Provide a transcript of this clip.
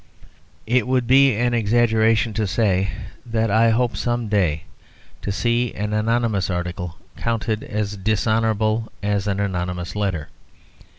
It would be an exaggeration to say that I hope some day to see an anonymous article counted as dishonourable as an anonymous letter.